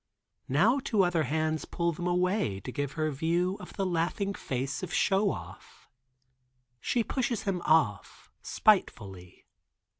Now, two other hands pull them away to give her view of the laughing face of Show Off. She pushes him off spitefully.